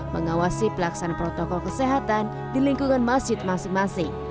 mengawasi pelaksanaan protokol kesehatan di lingkungan masjid masing masing